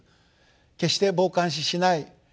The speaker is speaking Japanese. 決して傍観視しない。